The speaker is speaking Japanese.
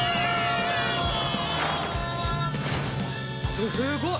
すごい！